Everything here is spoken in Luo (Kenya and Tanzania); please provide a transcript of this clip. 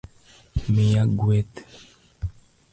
miya gweth